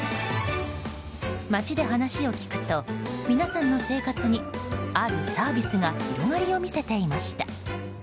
街で話を聞くと、皆さんの生活にあるサービスが広がりを見せていました。